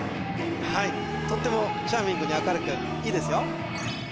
はいとってもチャーミングに明るくいいですよ